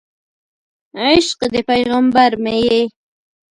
عشق د پیغمبر مې یې